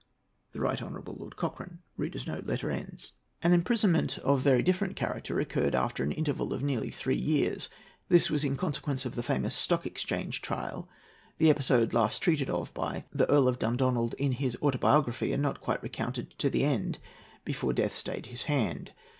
" The Right Honourable Lord Cochrane."] An imprisonment of very different character occurred after an interval of nearly three years. This was in consequence of the famous Stock Exchange trial, the episode last treated of by the Earl of Dundonald in his Autobiography, and not quite recounted to the end before death stayed his hand.